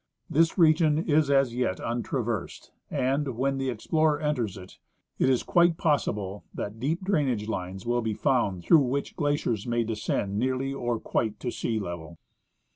This region is as yet untraversed ; and when the explorer enters it, it is quite possible that deep drainage lines will be found through which glaciers may descend nearly or quite to sea level.